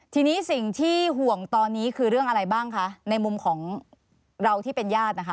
ทีนี้สิ่งที่ห่วงตอนนี้คือเรื่องอะไรบ้างคะในมุมของเราที่เป็นญาตินะคะ